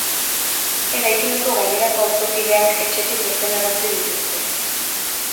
Eraikineko gainerako auzokideak etxetik irtenarazi dituzte.